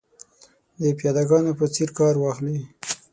د پیاده ګانو په څېر کار واخلي.